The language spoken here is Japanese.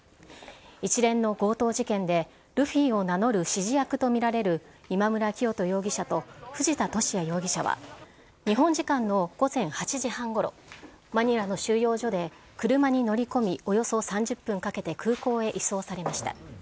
一連の強盗事件でルフィを名乗る指示役と見られる、今村磨人容疑者と藤田聖也容疑者は日本時間の午前８時半ごろ、マニラの収容所で車に乗り込み、およそ３０分かけて空港へ移送されました。